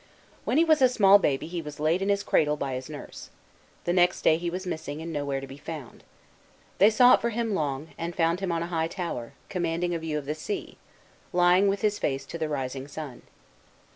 When he was a small baby he was laid in his cradle by his nurse. The next day he was missing and nowhere to be found. They sought for him long, and then found him on a high tower, com manding a view of the sea, lying with his face to the rising sun.